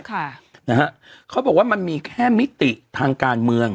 ค่ะนะฮะเขาบอกว่ามันมีแค่มิติทางการเมือง